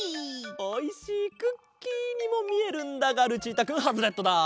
おいしいクッキーにもみえるんだがルチータくんハズレットだ！